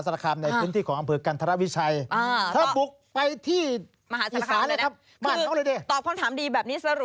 หรอได้เป็นนางงามได้หรอ